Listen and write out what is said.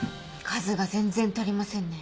数が全然足りませんね